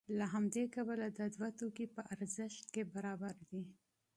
له همدې کبله دا دوه توکي په ارزښت کې برابر دي